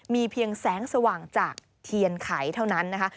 มีเพียงแสงสว่างจากเทียนไขเท่านั้นนะคะ